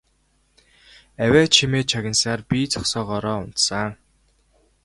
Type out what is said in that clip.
Авиа чимээ чагнасаар би зогсоогоороо унтсан.